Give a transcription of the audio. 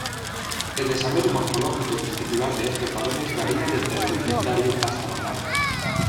El desarrollo morfológico testicular de estos varones varía desde rudimentario hasta normal.